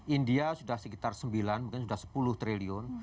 india sudah sekitar sembilan mungkin sudah sepuluh triliun